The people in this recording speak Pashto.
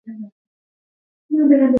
تاریخ د ځان پېژندنې لارښود دی.